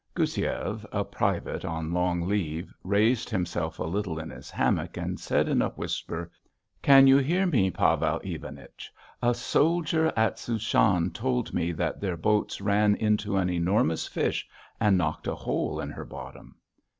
Goussiev, a private on long leave, raised himself a little in his hammock and said in a whisper: "Can you hear me, Pavel Ivanich? A soldier at Souchan told me that their boat ran into an enormous fish and knocked a hole in her bottom."